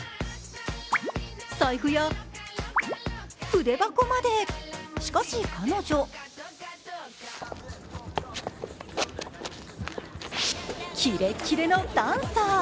財布や筆箱まで、しかし彼女キレッキレのダンサー。